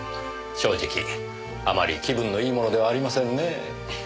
正直あまり気分のいいものではありませんねえ。